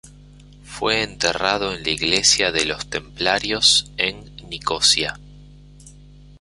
Fue enterrado en la Iglesia de los Templarios, en Nicosia.